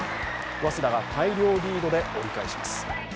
早稲田が大量リードで折り返します。